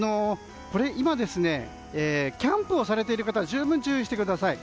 今、キャンプをされている方は十分注意してください。